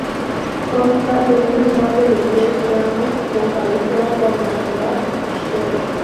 Consta de una nave de tres tramos, con cabecera cuadrangular y crucero.